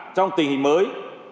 trong tình hình mới